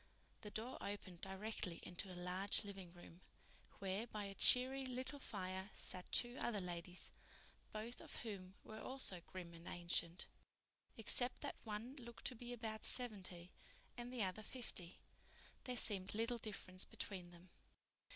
The door opened directly into a large living room, where by a cheery little fire sat two other ladies, both of whom were also grim and ancient. Except that one looked to be about seventy and the other fifty, there seemed little difference between them.